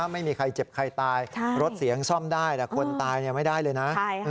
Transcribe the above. ไม่มีใครเจ็บใครตายรถเสียงซ่อมได้แต่คนตายไม่ได้เลยนะ